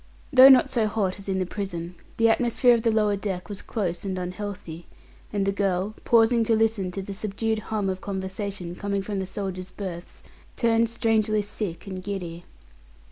Though not so hot as in the prison, the atmosphere of the lower deck was close and unhealthy, and the girl, pausing to listen to the subdued hum of conversation coming from the soldiers' berths, turned strangely sick and giddy.